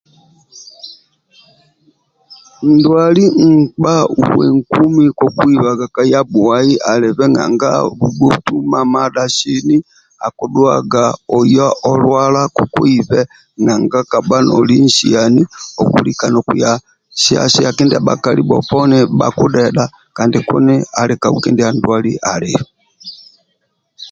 Ndwali nkpa uwe nkumi kokuibaga kaya bhuai alibe nanga kubhotu mamadha sini akidhuaga oya olwala kokuibe nanga kabha noli nsiani okulika nokuya sia sia kindia bhakali bhoponi bhakudhedha kandi kuni ali kau kindia ndwali alio